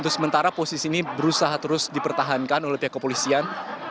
sementara posisi ini berusaha terus dipertahankan oleh pihak kepolisian